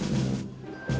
itu udah berangkat